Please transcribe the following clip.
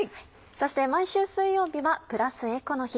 そして毎週水曜日はプラスエコの日。